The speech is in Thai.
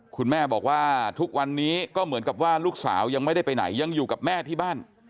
คุณแม่บอกว่าทุกวันนี้ก็เหมือนกับว่าลูกสาวยังไม่ได้ไปไหนยังอยู่กับแม่ที่บ้าน